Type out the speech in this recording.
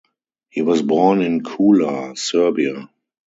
He was born in Kula, Serbia.